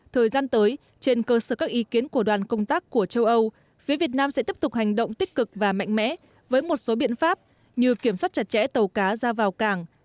thời gian tới trên cơ sở các ý kiến của đoàn công tác của châu âu phía việt nam sẽ tiếp tục hành động tích cực và mạnh mẽ với một số biện pháp như kiểm soát chặt chẽ tàu cá ra vào cảng